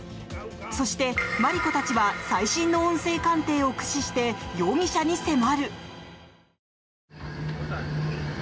そして、マリコたちは最新の音声鑑定を駆使して容疑者に迫る！